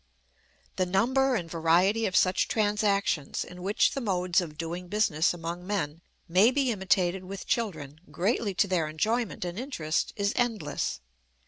The number and variety of such transactions in which the modes of doing business among men may be imitated with children, greatly to their enjoyment and interest, is endless.